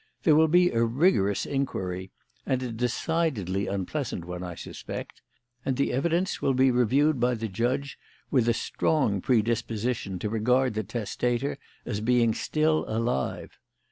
There will be a rigorous inquiry and a decidedly unpleasant one, I suspect and the evidence will be reviewed by the judge with a strong predisposition to regard the testator as being still alive.